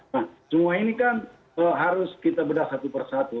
nah semua ini kan harus kita bedah satu persatu